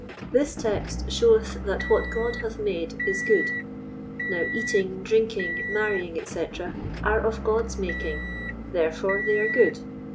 This text showeth that what God hath made is good. Now, eating, drinking, marrying, etc., are of God's making, therefore they are good.